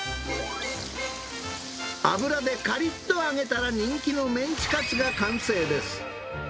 油でかりっと揚げたら人気のメンチカツが完成です。